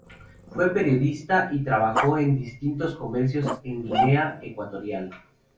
Fue periodista y trabajó en distintos comercios en Guinea Ecuatorial.